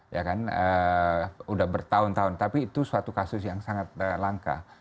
ya kan sudah bertahun tahun tapi itu suatu kasus yang sangat langka